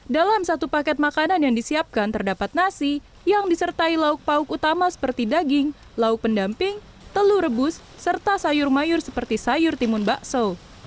dalam satu paket makanan yang disiapkan terdapat nasi yang disertai lauk pauk utama seperti daging lauk pendamping telur rebus serta sayur mayur seperti sayur timun bakso